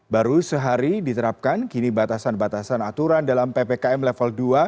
baru sehari diterapkan kini batasan batasan aturan dalam ppkm level dua